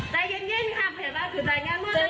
ใจเย็นเย็นค่ะพยาบาลคือรายงานมอตรอด